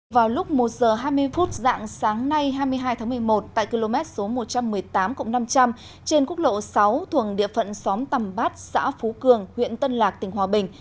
vào lúc một h hai mươi phút dạng sáng nay hai mươi hai tháng một mươi một tại km số một trăm một mươi tám năm trăm linh trên quốc lộ sáu thuồng địa phận xóm tầm bát xã phú cường huyện tân lạc tỉnh hòa bình